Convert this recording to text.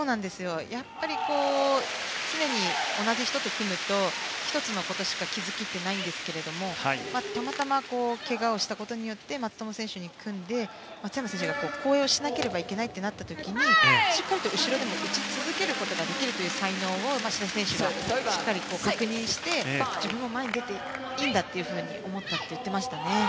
やはり常に同じ人と組むと１つのことしか気づきってないんですがたまたまけがをしたことで松友選手と組んで松山選手が後衛をしなければいけなくなった時にしっかりと後ろでも打ち続けることができるという才能を志田選手がしっかり確認して自分も前に出ていいんだと思ったと言っていました。